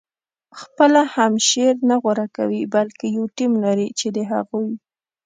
خپله هم شعر نه غوره کوي بلکې یو ټیم لري چې د هغوی